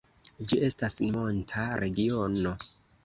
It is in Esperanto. Ĝi estas monta regiono.